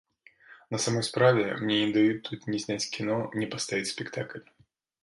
На самай справе, мне не даюць тут ні зняць кіно, ні паставіць спектакль.